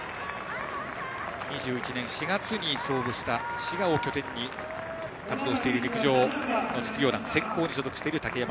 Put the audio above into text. ２１年４月に創部した滋賀を拠点に活動している陸上の実業団センコーに所属する竹山。